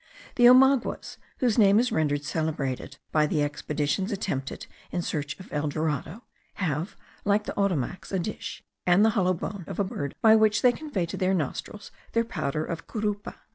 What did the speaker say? The Omaguas, whose name is rendered celebrated by the expeditions attempted in search of El Dorado, have like the Ottomacs a dish, and the hollow bone of a bird, by which they convey to their nostrils their powder of curupa.